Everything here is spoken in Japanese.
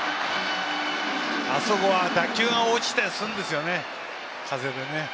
あそこは打球が落ちたりするんですよね、風でね。